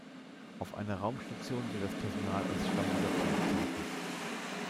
Auf einer Raumstation wird das Personal als "Stammbesatzung" bezeichnet.